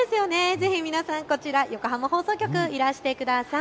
ぜひ皆さん、こちら、横浜放送局、いらしてください。